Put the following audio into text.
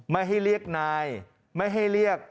ไม่ให้เรียกนายไม่ให้เรียก